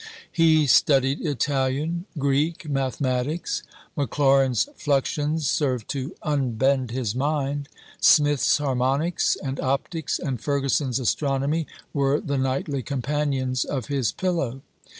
He studied Italian, Greek, mathematics; Maclaurin's Fluxions served to "unbend his mind"; Smith's Harmonics and Optics and Ferguson's Astronomy were the nightly companions of his pillow.